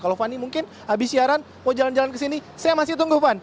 kalau fanny mungkin habis siaran mau jalan jalan ke sini saya masih tunggu fann